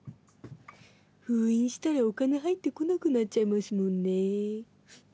封印したらお金入ってこなくなっちゃいますもんね。